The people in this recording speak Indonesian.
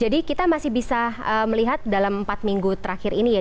jadi kita masih bisa melihat dalam empat minggu terakhir ini ya